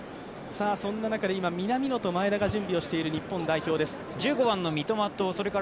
今、南野と前田が準備している日本代表です。